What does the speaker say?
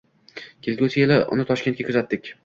Kelgusii yili uni Toshkentga kuzatdik